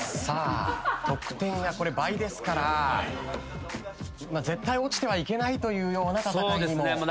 さあ得点が倍ですから絶対落ちてはいけないというような戦いにも。